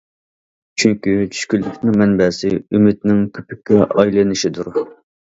چۈنكى، چۈشكۈنلۈكنىڭ مەنبەسى- ئۈمىدنىڭ كۆپۈككە ئايلىنىشىدۇر.